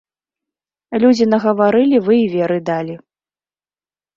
Людзі нагаварылі, вы і веры далі.